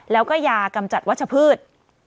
แล้วก็ยากำจัดวัชพืช